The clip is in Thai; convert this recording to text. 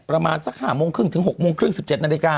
ประมาณสัก๕โมงครึ่งถึง๖โมงครึ่ง๑๗นาฬิกา